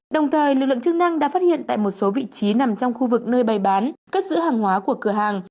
đồng thời lực lượng chức năng đã phát hiện tại một số vị trí nằm trong khu vực nơi bày bán cất giữ hàng hóa của cửa hàng